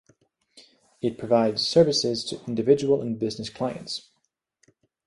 It provides services to individual and business clients.